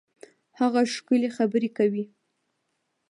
هغه ښکلي خبري کوي.